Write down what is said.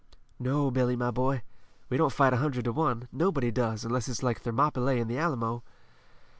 "No, Billy, my boy. We don't fight a hundred to one. Nobody does, unless it's like Thermopylae and the Alamo."